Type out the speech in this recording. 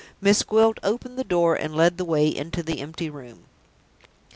Miss Gwilt opened the door and led the way into the empty room.